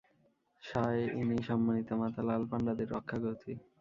সান Yi, সম্মানিত মাতা, লাল পান্ডাদের রক্ষাকর্ত্রী।